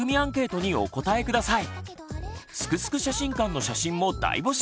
「すくすく写真館」の写真も大募集。